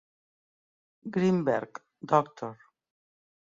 Greenberg, Dr.